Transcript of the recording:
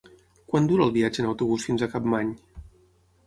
Quant dura el viatge en autobús fins a Capmany?